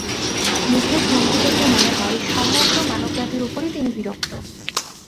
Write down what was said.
মুখের ভঙ্গি দেখে মনে হয় সমগ্র মানবজাতির উপরই তিনি বিরক্ত।